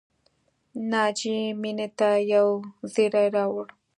ناجیې مینې ته یو زېری راوړ